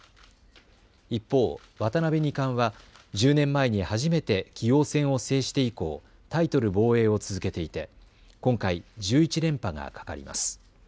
一方、渡辺二冠は１０年前に初めて棋王戦を制して以降、タイトル防衛を続けていて今回１１連覇がかかります。